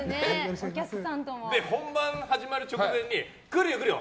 本番始まる直前に来るよ、来るよ！